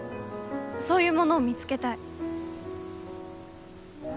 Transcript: そういうものを見つけたい。